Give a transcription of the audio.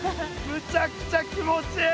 むちゃくちゃ気持ちいい！